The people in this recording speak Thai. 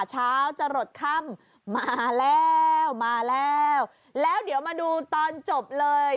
เช้าจะหลดค่ำมาแล้วมาแล้วแล้วเดี๋ยวมาดูตอนจบเลย